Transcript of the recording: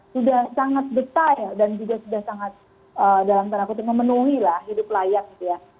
sudah sangat detail dan juga sudah sangat dalam tanda kutip memenuhi lah hidup layak gitu ya